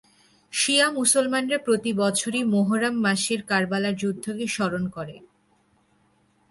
শিয়া মুসলমানরা প্রতিবছর মুহররম মাসে কারবালার যুদ্ধকে স্মরণ করে।